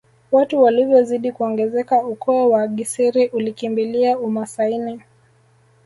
Watu walivyozidi kuongezeka ukoo wa Gisiri ulikimbilia umasaini